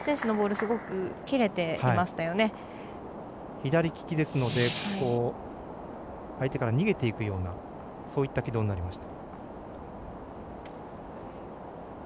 左利きですので相手から逃げていくようなそういった軌道になりました。